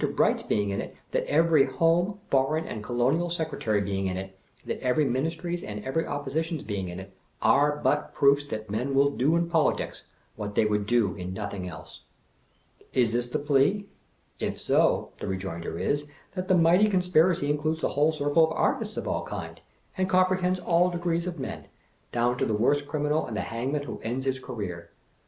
Beight's being in it, that every Home, Foreign, and Colonial Secretary's being in it, that every ministry's and every opposition's being in it, are but proofs that men will do in politics what they would do in nothing else. Is this the plea? If so, the rejoinder is, that the mighty conspir acy includes the whole circle of Artists of all kinds, and comprehends all degrees of men, down to the worst criminal and the hangman who ends his career.